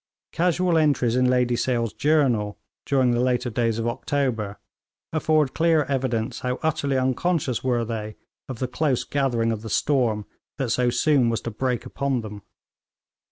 Casual entries in Lady Sale's journal, during the later days of October, afford clear evidence how utterly unconscious were they of the close gathering of the storm that so soon was to break upon them.